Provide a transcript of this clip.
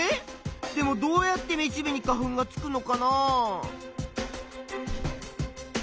でもどうやってめしべに花粉がつくのかな？